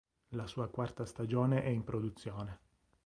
La sua quarta stagione è in produzione.